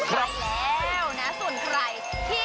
ไปแล้วนะส่วนใคร